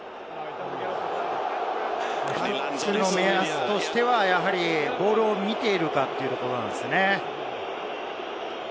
目安としてはボールを見ているかというところなんですね。